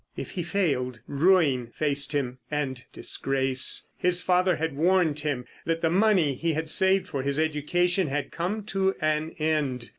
If he failed ruin faced him, and disgrace. His father had warned him that the money he had saved for his education had come to an end.